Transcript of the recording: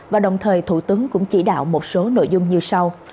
và đồng thời thủ tướng cũng chỉ đạo một số nội dung như sau